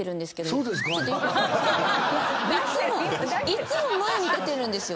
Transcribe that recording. いっつも前に出てるんですよ。